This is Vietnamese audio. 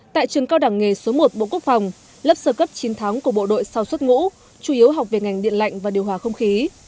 tại trường cao đẳng nghề số một bộ quốc phòng lớp sơ cấp chín tháng của bộ đội sau xuất ngũ chủ yếu học về ngành điện lạnh và điều hòa không khí